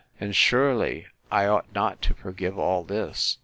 —And surely I ought not to forgive all this!